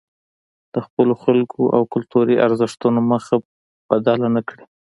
د خپلو خلکو او کلتوري ارزښتونو مخه بدله نکړي.